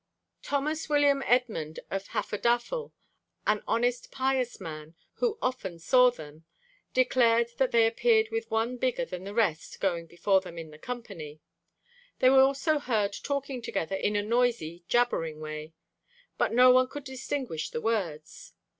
Thomas William Edmund, of Hafodafel, 'an honest pious man, who often saw them,' declared that they appeared with one bigger than the rest going before them in the company. They were also heard talking together in a noisy, jabbering way; but no one could distinguish the words.